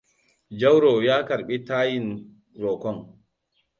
Jaurou ya karɓi tayin roƙon.